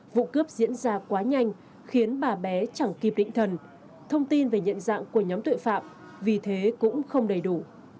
vụ cướp diễn ra quá nhanh khiến bà bé chẳng kịp định thần thông tin về nhận dạng của nhóm tội phạm vì thế cũng không đầy đủ